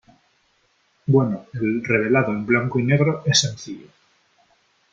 bueno , el revelado en blanco y negro es sencillo .